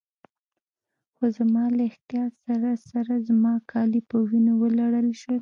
خو زما له احتیاط سره سره زما کالي په وینو ولړل شول.